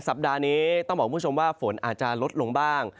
สัปดาห์นี้ต้องบอกคุณผู้ชมว่าฝนอาจจะลดลงบ้าง